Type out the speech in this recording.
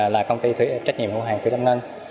là công ty trách nhiệm của hàng thủy tâm nâng